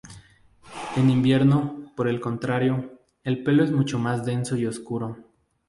En invierno, por el contrario, el pelo es mucho más denso y oscuro.